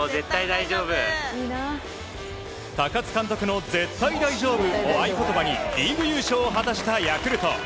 高津監督の絶対大丈夫を合言葉にリーグ優勝を果たしたヤクルト。